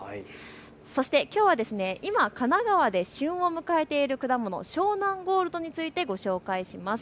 そしてきょうは今、神奈川で旬を迎えている果物、湘南ゴールドについてご紹介します。